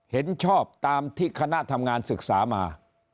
เห็นชอบตามที่คณะทำงานศึกษามา